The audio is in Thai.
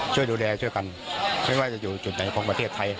ช่วยดูแลช่วยกันไม่ว่าจะอยู่จุดไหนของประเทศไทย